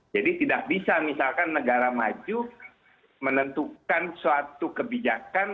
jadi tidak bisa misalkan negara maju menentukan suatu kebijakan